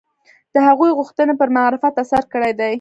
د هغوی غوښتنې پر معرفت اثر کړی دی